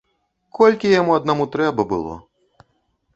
Колькі яму аднаму трэба было?